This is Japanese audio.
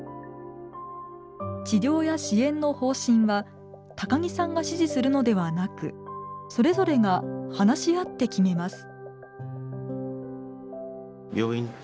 治療や支援の方針は高木さんが指示するのではなくそれぞれが話し合って決めます。